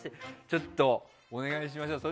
ちょっと、お願いしましょう。